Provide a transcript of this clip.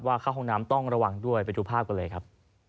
เข้าห้องน้ำต้องระวังด้วยไปดูภาพกันเลยครับ